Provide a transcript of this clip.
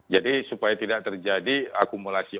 jadi supaya tidak terjadi akumulasi